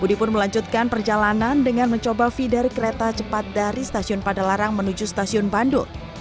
budi pun melanjutkan perjalanan dengan mencoba feeder kereta cepat dari stasiun padalarang menuju stasiun bandung